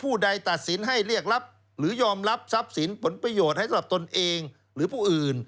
ใดตัดสินให้เรียกรับหรือยอมรับทรัพย์สินผลประโยชน์ให้สำหรับตนเองหรือผู้อื่น